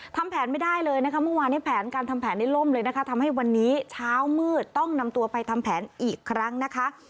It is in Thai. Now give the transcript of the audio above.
ทำแผนไม่ได้เลยนะคะเมื่อวานนี้แผนการทำแผนในล่มเลยนะคะทำให้วันนี้เช้ามืดต้องนำตัวไปทำแผนอีกครั้งนะคะ